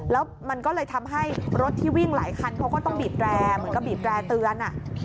แล้วมันก็เลยทำให้รถที่วิ่งหลายคันเขาก็ต้องบีบแร่เหมือนกับบีบแร่เตือน